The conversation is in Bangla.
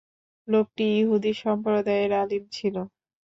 লোকটি ইহুদী সম্প্রদায়ের আলিম ছিল।